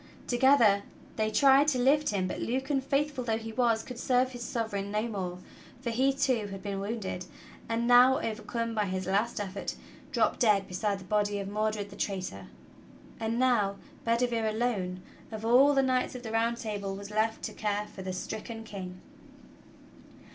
Together they tried to lift him, but Lucan, faithful though he was, could serve his Sovereign no more, for he, too, had been wounded, and now, overcome by his last effort, dropped dead beside the body of Mor dred, the traitor. And now Bedivere alone, of all the knights of the Round Table, was left to care for the stricken King.